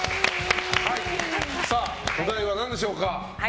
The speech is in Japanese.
お題は何でしょうか？